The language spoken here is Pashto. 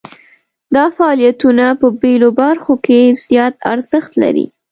دا فعالیتونه په بیلو برخو کې زیات ارزښت لري.